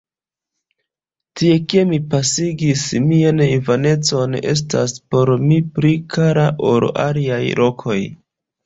Tie, kie mi pasigis mian infanecon, estas por mi pli kara ol aliaj lokoj.